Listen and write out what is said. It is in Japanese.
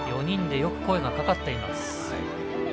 ４人でよく声が掛かっています。